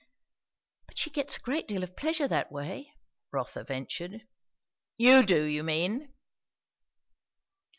"But she gets a great deal of pleasure that way " Rotha ventured. "You do, you mean."